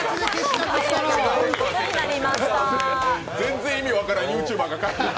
全然意味分からんＹｏｕＴｕｂｅｒが買ってる。